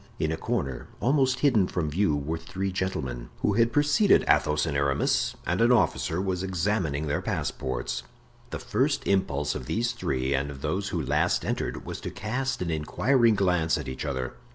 In a corner, almost hidden from view, were three gentlemen, who had preceded Athos and Aramis, and an officer was examining their passports. The first impulse of these three, and of those who last entered, was to cast an inquiring glance at each other.